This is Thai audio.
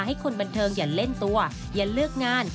ให้คนบันเทิงอย่าเล่นตัวอย่าเลือกงาน